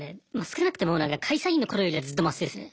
少なくとも会社員の頃よりはずっとマシですね。